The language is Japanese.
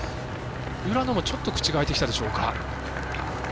浦野もちょっと口が開いてきたでしょうか。